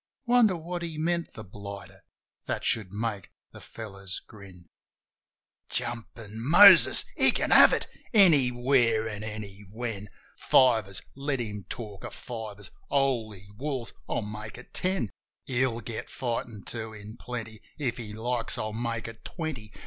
.. Wonder what he meant, the blighter, that should make the fellows grin: ... Jumpin' Moses! ... He can have it! Anywhere an' anywhen! Fivers? Let him talk of fivers! Holy wars, I'll make it ten! He'll get fightin', too, in plenty. If he likes I'll make it twenty